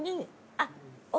あっ。